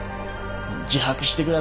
自白してください。